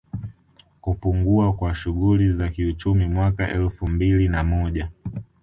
Kupungua kwa shughuli za kiuchumi Mwaka wa elfumbili na moja